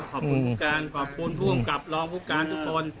กันกับพูลผู้การกับรองผู้การทุกคน